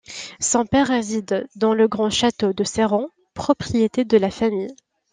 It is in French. Son père réside dans le grand Château de Serrant, propriété de la famille.